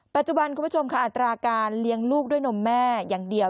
คุณผู้ชมค่ะอัตราการเลี้ยงลูกด้วยนมแม่อย่างเดียว